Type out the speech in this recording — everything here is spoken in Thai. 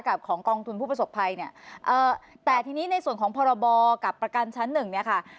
กับของกองทุนผู้ประสบภัยแต่ทีนี้ในส่วนของพบกับประกันชั้นหนึ่ง